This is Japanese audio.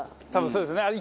多分そうですね。